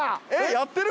やってる？